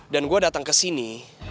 dan gue datang kesini